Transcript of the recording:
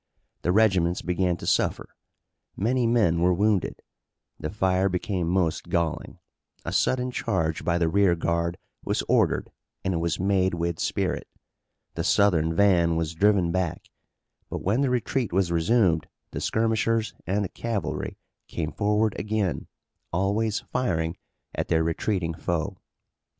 The regiments began to suffer. Many men were wounded. The fire became most galling. A sudden charge by the rearguard was ordered and it was made with spirit. The Southern van was driven back, but when the retreat was resumed the skirmishers and the cavalry came forward again, always firing at their retreating foe.